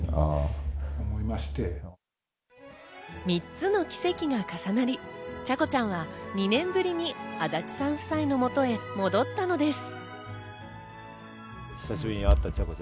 ３つの奇跡が重なり、チャコちゃんは２年ぶりに足立さん夫妻の元へ戻ったのです。